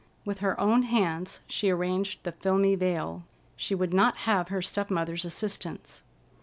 With her own hands, she arranged the filmy veil. She would not have her step mother's assistance.